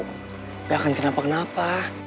nggak akan kenapa kenapa